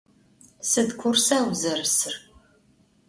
Sıd kursa vuzerısır?